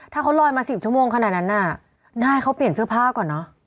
ถ้าเขาลอยมา๑๐ชั่วโมงขนาดนั้นน่ะได้เขาเปลี่ยนเสื้อผ้าก่อนเนอะ